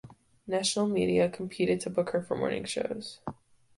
National media competed to book her for morning shows.